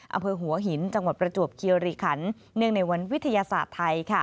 อำเภอหัวหินจังหวัดประจวบเคียริขันเนื่องในวันวิทยาศาสตร์ไทย